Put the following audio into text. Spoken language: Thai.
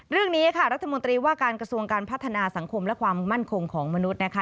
เรื่องนี้ค่ะรัฐมนตรีว่าการกระทรวงการพัฒนาสังคมและความมั่นคงของมนุษย์นะคะ